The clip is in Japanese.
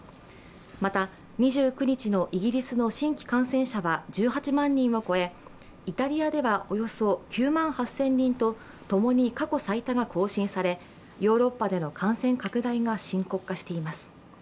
また、２９日のイギリスの新規感染者は１８万人を超え、イタリアではおよそ９万８０００人と共に過去最多が更新されヨーロッパでの感染拡大が深刻化しています。